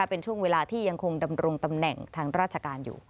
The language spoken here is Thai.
เป็นช่วงเวลาที่ยังคงดำรงตำแหน่งทางราชการอยู่